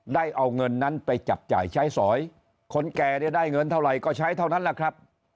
ได้เอาเงินนั้นไปจับจ่ายใช้สอยคนแก่เนี่ยได้เงินเท่าไหร่ก็ใช้เท่านั้นแหละครับ